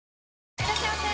いらっしゃいませ！